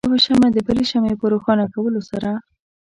یو شمع د بلې شمعې په روښانه کولو سره.